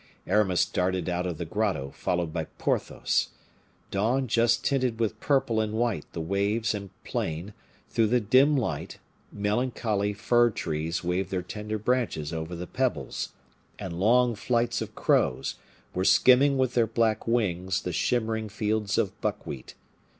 Aramis darted out of the grotto, followed by Porthos. Dawn just tinted with purple and white the waves and plain; through the dim light, melancholy fir trees waved their tender branches over the pebbles, and long flights of crows were skimming with their black wings the shimmering fields of buckwheat.